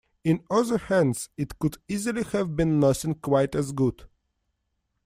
In other hands it could easily have been nothing quite as good.